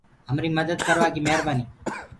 همري مدد ڪروآڪي مهربآنيٚ۔